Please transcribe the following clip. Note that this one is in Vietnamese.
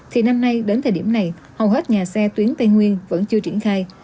thì năm nay đến thời điểm này hầu hết nhà xe tuyến tây nguyên vẫn chưa triển khai